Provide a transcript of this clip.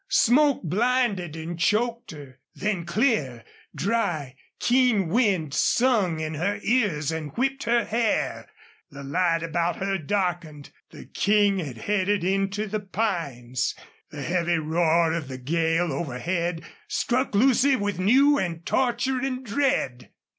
Smoke blinded and choked her. Then clear, dry, keen wind sung in her ears and whipped her hair. The light about her darkened. The King had headed into the pines. The heavy roar of the gale overhead struck Lucy with new and torturing dread.